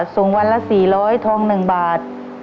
ส่งวันละ๔๐๐ทอง๑บาท